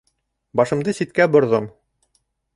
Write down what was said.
Башымды ситкә борҙом.